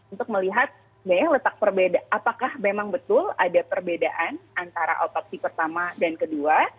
untuk melihat letak perbedaan apakah memang betul ada perbedaan antara otopsi pertama dan kedua